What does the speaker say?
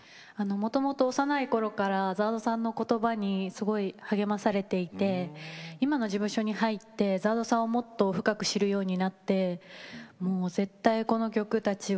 もともと幼いころからＺＡＲＤさんの言葉に励まされていて今の事務所に入ってＺＡＲＤさんをもっと深く知るようになって絶対、この曲たちを